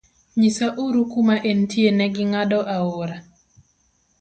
Nyisa uru kuma entie negi ng'ado aora.